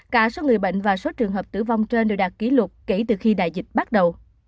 cả số người bệnh và số trường hợp tử vong trên đều đạt kỷ lục kể từ khi đại dịch bắt đầu